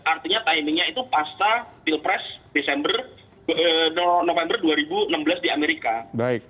artinya timingnya itu pasca pilpres desember november dua ribu enam belas di amerika